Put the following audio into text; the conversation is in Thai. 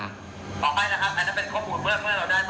เอาไปละครับอันนั้นเป็นข้อมูลเมื่อเราได้ภาพตรวจไม้ก็สุด